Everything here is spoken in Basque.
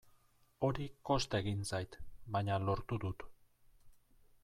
Hori kosta egin zait, baina lortu dut.